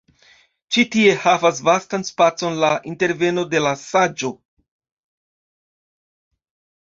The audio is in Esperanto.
Ĉi tie havas vastan spacon la interveno de la saĝo.